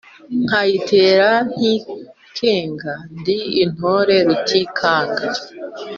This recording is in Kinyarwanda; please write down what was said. Nkayitera ntikenga, ndi intore Rutikanga